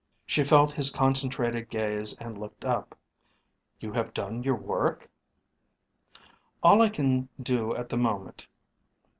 She felt his concentrated gaze and looked up. "You have done your work?" "All I can do at the moment.